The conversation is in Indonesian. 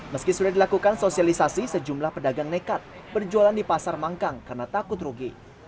meski sudah dilakukan sosialisasi sejumlah pedagang nekat berjualan di pasar mangkang karena takut rugi